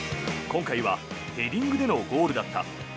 今回はヘディングでのゴールだった。